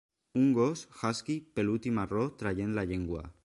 Un gos husky pelut i marró traient la llengua.